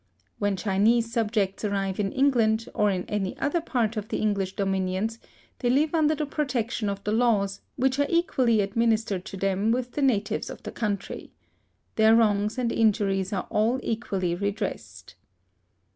When Chinese subjects arrive in England, or in any other part of the English dominions, they live under the protection of the laws, which are equally administered to them with the natives of the country. Their wrongs and injuries are all equally redressed.